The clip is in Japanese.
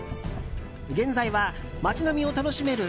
現在は街並みを楽しめる